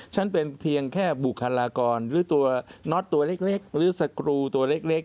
ฉันเป็นเพียงแค่บุคลากรหรือตัวน็อตตัวเล็กหรือสกรูตัวเล็ก